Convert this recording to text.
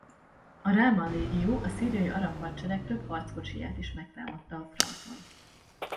A Rahman Légió a Szíriai Arab Hadsereg több harckocsiját is megtámadta a fronton.